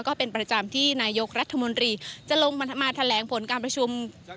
ก็เป็นประจำที่นายกรัฐมนตรีจะลงมาแถลงผลการประชุม